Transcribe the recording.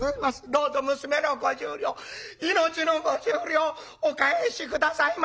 どうぞ娘の５０両命の５０両お返し下さいまし！」。